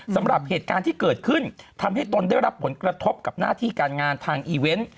สำหรับเหตุการณ์ที่เกิดขึ้นทำให้ตนได้รับผลกระทบกับหน้าที่การงานทางอีเวนต์